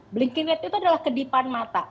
blinking rate itu adalah kedipan mata